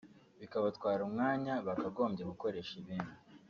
bikabatwara umwanya bakagombye gukoresha ibindi